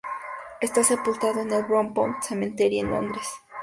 Está sepultado en el Brompton Cemetery en Londres.